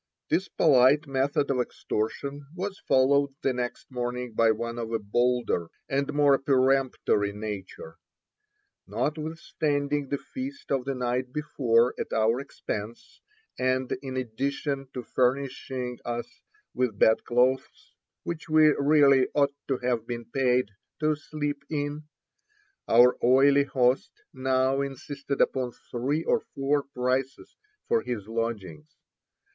This polite method of extortion was followed the next morning by one of a bolder and more peremptory nature. Notwithstanding the feast of the night before at our expense, and in addition to furnishing us with bedclothes which we really ought to have been paid to sleep in, our oily host now insisted upon three or four prices for his lodgings.